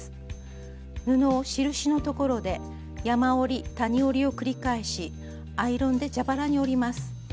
布を印のところで山折り谷折りを繰り返しアイロンで蛇腹に折ります。